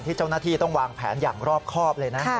เจ้าหน้าที่ต้องวางแผนอย่างรอบครอบเลยนะ